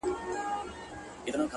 د زړه جيب كي يې ساتم انځورونه ،گلابونه،